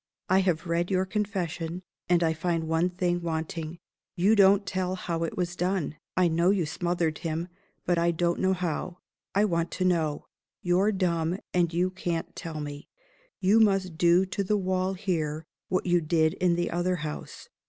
I have read your Confession; and I find one thing wanting. You don't tell how it was done. I know you smothered him but I don't know how. I want to know. You're dumb; and you can't tell me. You must do to the wall here what you did in the other house.